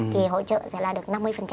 thì hỗ trợ sẽ là được năm mươi